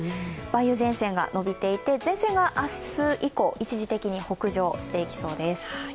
梅雨前線が伸びていて、前線が明日以降、一時的に北上していきそうです。